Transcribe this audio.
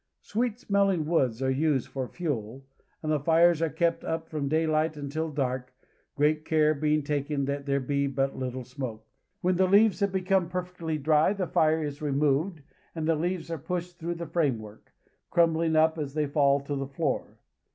Sweet smelling woods are used for fuel, and the fires are kept up from daylight until dark, great care being taktn that there be but little smoke. When the leaves have become perfectly dry the fire is removed and the leaves are pushed through the frame work, crumbling up as they fall to the floor.